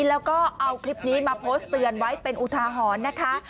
แล้วก็เอาคลิปนี้มาโพสต์เตือนไว้เป็นอุทาหรณ์นะคะ